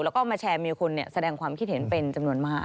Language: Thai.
แล้วก็มาแชร์มีคนแสดงความคิดเห็นเป็นจำนวนมาก